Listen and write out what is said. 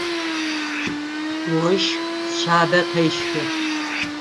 Ощх шъабэ къещхы.